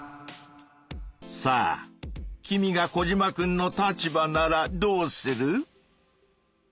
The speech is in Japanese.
さあ君がコジマくんの立場ならどうする？